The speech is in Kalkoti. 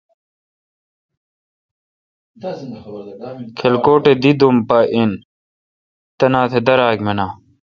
کلکوٹ اے دی دوم پا این۔ تنا تہ داراک مناں۔